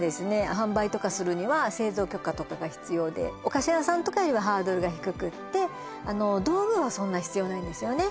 販売とかするには製造許可とかが必要でお菓子屋さんとかよりはハードルが低くってあの道具はそんな必要ないんですよね